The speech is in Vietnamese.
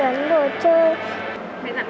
thế bây giờ con gọi cho mẹ có được không